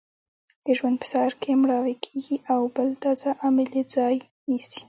د ژوند په سهار کې مړاوې کیږي او بل تازه عامل یې ځای نیسي.